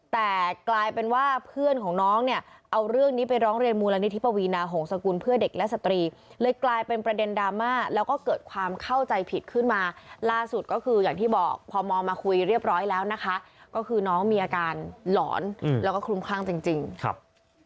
แต่กลายเป็นว่าเพื่อนของน้องเนี่ยเอาเรื่องนี้ไปร้องเรียนมูลนิธิปวีนาหงษกุลเพื่อเด็กและสตรีเลยกลายเป็นประเด็นดราม่าแล้วก็เกิดความเข้าใจผิดขึ้นมาล่าสุดก็คืออย่างที่บอกพอมมาคุยเรียบร้อยแล้วนะคะก็คือน้องมีอาการหลอนแล้วก็คลุมคลั่งจริงครับ